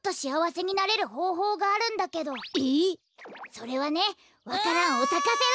それはねわか蘭をさかせる。